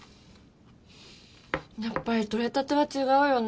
やっぱり採れたては違うよね。